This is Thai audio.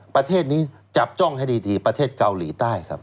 ประเทศนี้จับจ้องให้ดีประเทศเกาหลีใต้ครับ